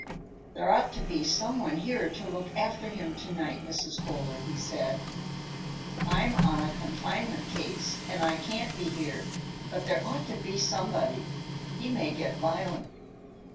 "There ought to be some one here to look after him to night, Mrs. Kohler," he said. "I'm on a confinement case, and I can't be here, but there ought to be somebody. He may get violent."